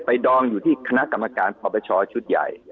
ดองอยู่ที่คณะกรรมการปรปชชุดใหญ่